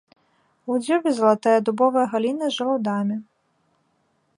У дзюбе залатая дубовая галіна з жалудамі.